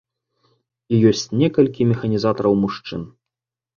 І ёсць некалькі механізатараў мужчын.